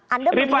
anda melihat bahwa